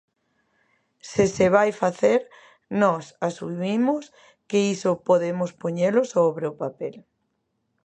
Se se vai facer, nós asumimos que iso podemos poñelo sobre o papel.